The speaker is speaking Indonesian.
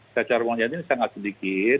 kacar wong jatin sangat sedikit